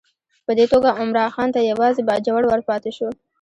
په دې توګه عمرا خان ته یوازې باجوړ ورپاته شو.